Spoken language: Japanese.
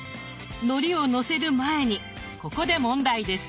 のりをのせる前にここで問題です。